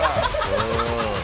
うん。